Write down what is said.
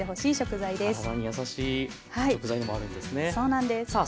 体に優しい食材でもあるんですね。